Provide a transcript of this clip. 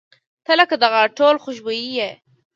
• ته لکه د غاټول خوشبويي یې.